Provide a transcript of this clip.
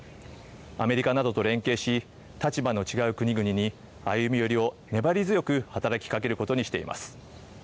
アメリカなどと連携し、立場の違う国々に歩み寄りを粘り強く働きかけることにしています。